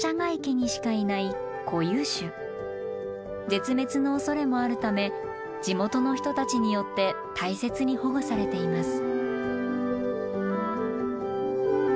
絶滅のおそれもあるため地元の人たちによって大切に保護されています。